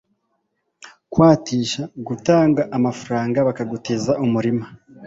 kwatisha gutanga amafaranga bakagutiza umurima